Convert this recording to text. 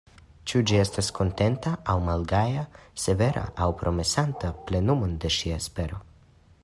Ĉu ĝi estas kontenta aŭ malgaja, severa aŭ promesanta plenumon de ŝia espero?